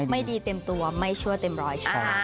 ไม่ดีเต็มตัวไม่ชั่วเต็มร้อย